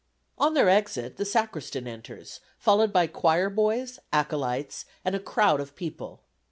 On their exit, the Sacristan enters, followed by choir boys, acolytes and a crowd of people.